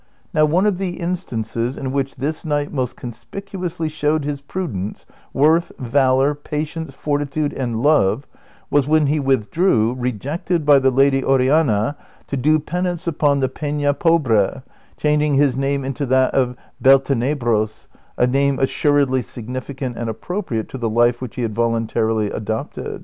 Now one of the instances in which this knight most conspicuously showed his prudence, worth, valor, patience, fortitude, and love, was when he Avith drew, rejected by the Lady Oriana, to do penance upon the Peila Pobre, changing his name into that of Beltenebros,^ a name assuredly significant and appropriate to the life which he had voluntarily adopted.